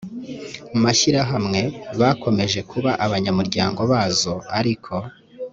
mashyirahamwe bakomeje kuba abanyamuryango bazo ariko